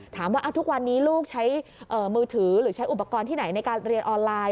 ถามว่าทุกวันนี้ลูกใช้มือถือหรือใช้อุปกรณ์ที่ไหนในการเรียนออนไลน์